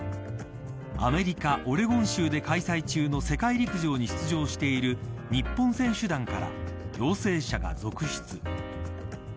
アメリカ、オレゴン州で開催中の世界陸上に出場している日本選手団から陽性者が続出。